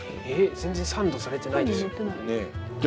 全然サンドされてないですよ。